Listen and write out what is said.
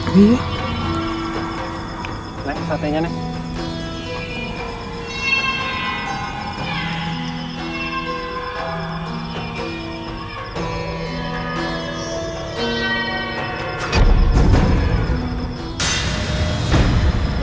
neng satenya nih